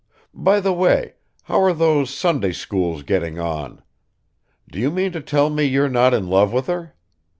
By the way, how are those Sunday schools getting on? Do you mean to tell me you're not in love with her?